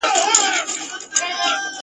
ګاونډي به دي زاغان سي !.